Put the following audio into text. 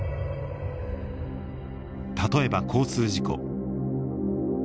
例えば交通事故。